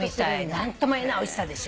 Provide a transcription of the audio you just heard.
何ともいえないおいしさでしょ。